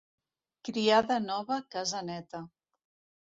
Criada nova, casa neta.